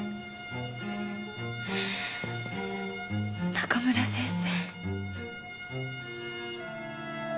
中村先生。